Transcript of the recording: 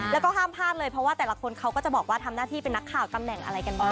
แล้วก็ห้ามพลาดเลยเพราะว่าแต่ละคนเขาก็จะบอกว่าทำหน้าที่เป็นนักข่าวตำแหน่งอะไรกันบ้าง